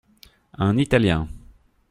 Un Italien.